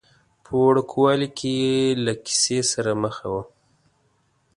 په وړوکوالي کې یې له کیسې سره مخه وه.